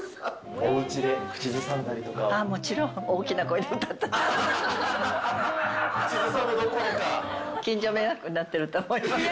もちろん、大きな声で歌ってます。